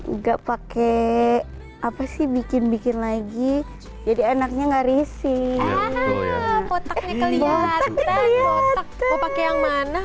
enggak pakai apa sih bikin bikin lagi jadi anaknya nggak risih kotaknya kelihatan mau pakai yang mana